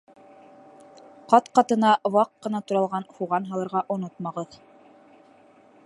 Ҡат-ҡатына ваҡ ҡына туралған һуған һалырға онотмағыҙ